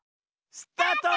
スタート！